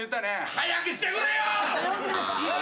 早くしてくれよ！